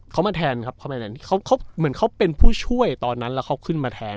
เข้ามาแทนครับเหมือนเขาเป็นช่วยตอนนั้นแล้วเขาขึ้นมาแทน